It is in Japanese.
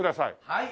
はい！